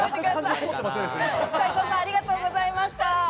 斉藤さん、ありがとうございました。